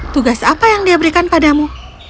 tugas apa yang dia berikan padamu